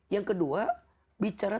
yang kedua bicara